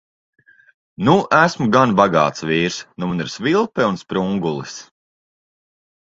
Nu esmu gan bagāts vīrs. Nu man ir svilpe un sprungulis!